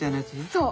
そう。